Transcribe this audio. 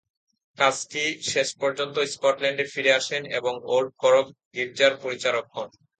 কাস্কি শেষ পর্যন্ত স্কটল্যান্ডে ফিরে আসেন এবং ওল্ড গরক গির্জার পরিচারক হন।